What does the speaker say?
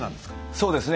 そうですね。